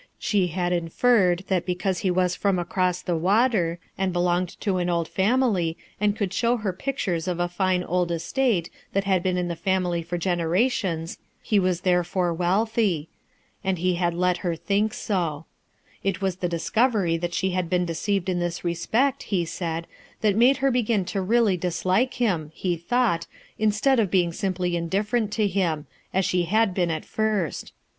She had inferred that, because he was 214 RUTH ERSKINE'S SON from across tlic water, and belonged to an oil family and could show her pictures of a fine old estate that had been in the family for genera tions, he was therefore wealthy; and he had let her think so It was the discovery that she had been deceived in this respect, he said, that made her begin to really dislike him, he thought, in stead of being simply indifferent to him, as she had been at first.